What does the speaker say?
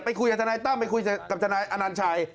คุยกับทนายตั้มไปคุยกับทนายอนัญชัย